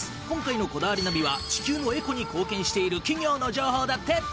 今回の『こだわりナビ』は地球のエコに貢献している企業の情報だって。